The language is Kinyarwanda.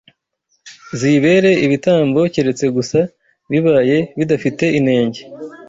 ziyibere ibitambo keretse gusa bibaye bidafite inenge!